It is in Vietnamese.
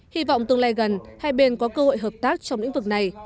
hy vọng tương lai gần hai bên có cơ hội hợp tác trong lĩnh vực này